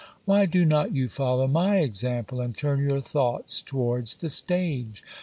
Why do not you follow my example, and turn your thoughts towards the stage?